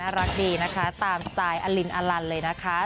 รักดีนะคะตามสไตล์อลินอลันเลยนะคะ